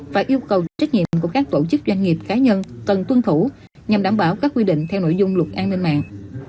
và yêu cầu trách nhiệm của các tổ chức doanh nghiệp cá nhân cần tuân thủ nhằm đảm bảo các quy định theo nội dung luật an ninh mạng